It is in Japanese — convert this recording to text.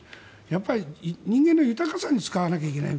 やっぱり人間の豊かさに使わなければいけない。